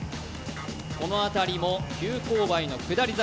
この辺りも急勾配の下り坂。